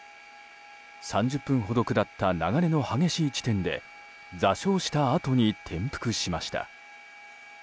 ３０分ほど下った流れの激しい地点で座礁したあとに転覆しました。